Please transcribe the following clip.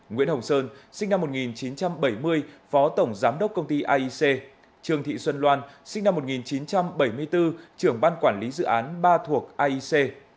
nguyễn hồng sơn sinh năm một nghìn chín trăm bảy mươi phó tổng giám đốc công ty aic trương thị xuân loan sinh năm một nghìn chín trăm bảy mươi bốn trưởng ban quản lý dự án ba thuộc aic